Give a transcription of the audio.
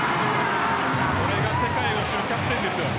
これが世界のキャプテンですよ。